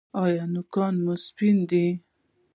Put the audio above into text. ایا نوکان مو سپین دي؟